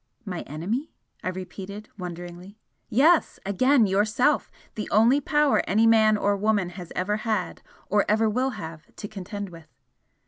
"My enemy?" I repeated, wonderingly. "Yes again Yourself! The only power any man or woman has ever had, or ever will have, to contend with!"